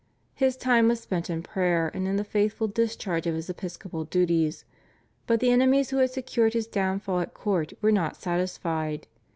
His time was spent in prayer and in the faithful discharge of his episcopal duties, but the enemies who had secured his downfall at court were not satisfied.